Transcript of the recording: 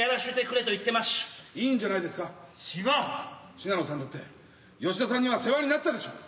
信濃さんだって吉田さんには世話になったでしょ。